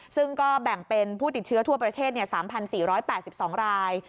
ซึ่งก็แบ่งเป็นผู้ติดเชื้อทั่วประเทศ๓๔๘๒ราย